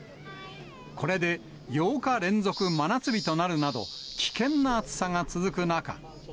これで８日連続真夏日となるなど、危険な暑さが続く中。